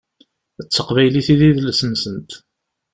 D taqbaylit i d idles-nsent.